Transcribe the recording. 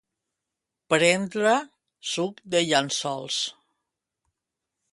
Prendre suc de llençols.